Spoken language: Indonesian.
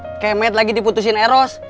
skemet lagi diputusin eros